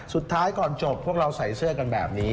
สุดท้ายก่อนจบพวกเราใส่เสื้อกันแบบนี้